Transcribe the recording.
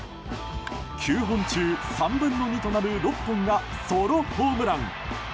９本中、３分の２となる６本がソロホームラン。